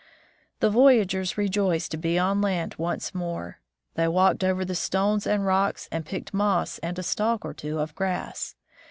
The voyagers rejoiced to be on land once more. They walked over the stones and rocks, and picked moss and a stalk or two of grass.